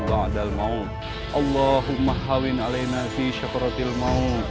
kalau begitu kamu masih adek supereguan k opt atau